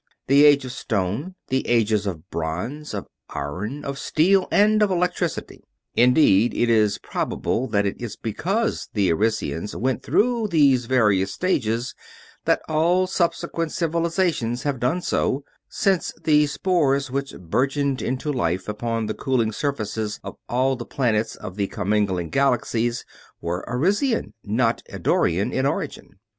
The Age of Stone. The Ages of Bronze, of Iron, of Steel, and of Electricity. Indeed, it is probable that it is because the Arisians went through these various stages that all subsequent Civilizations have done so, since the spores which burgeoned into life upon the cooling surfaces of all the planets of the commingling galaxies were Arisian, not Eddorian, in origin.